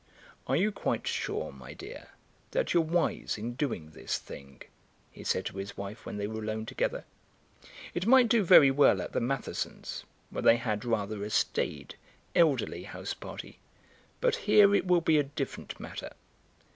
"Are you quite sure, my dear, that you're wise in doing this thing?" he said to his wife when they were alone together. "It might do very well at the Mathesons, where they had rather a staid, elderly house party, but here it will be a different matter.